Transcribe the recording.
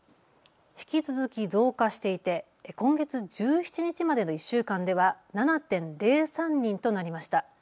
引き続き増加していて今月１７日までの１週間では７．０３人となりました。